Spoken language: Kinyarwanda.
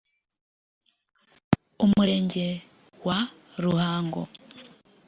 Umurenge wa Ruhango